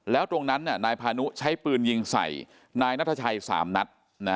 แล้วตรงนั้นนายพานุใช้ปืนยิงใส่นายนัทชัย๓นัด